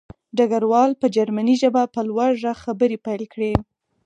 ډګروال په جرمني ژبه په لوړ غږ خبرې پیل کړې